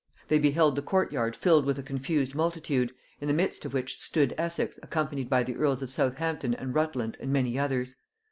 They beheld the court yard filled with a confused multitude, in the midst of which stood Essex accompanied by the earls of Southampton and Rutland and many others.